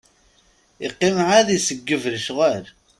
Iqqim ɛad iseggeb lecɣal.